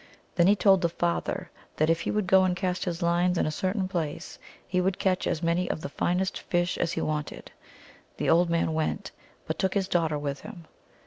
Then he told the father that if he would go and cast his lines in a certain place he would catch as many of the finest fish as he wanted. The old man went, but took his daughter with him.